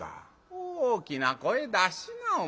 大きな声出しなお前は。